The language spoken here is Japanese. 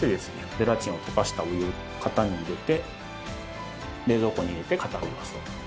ゼラチンを溶かしたお湯を型に入れて冷蔵庫に入れて固めます。